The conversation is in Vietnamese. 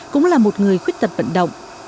cũng là một người quyết tật vận động